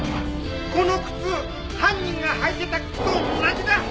この靴犯人が履いてた靴と同じだ！